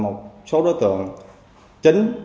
một số đối tượng chính